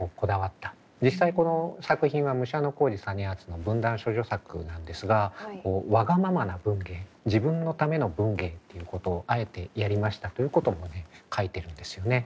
実際この作品は武者小路実篤の文壇処女作なんですがわがままな文芸自分のための文芸っていうことをあえてやりましたということもね書いてるんですよね。